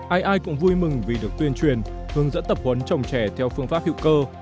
ai ai cũng vui mừng vì được tuyên truyền hướng dẫn tập huấn trồng trẻ theo phương pháp hữu cơ